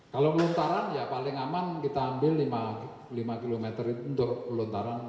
kalau lontaran ya paling aman kita ambil lima km itu untuk lontaran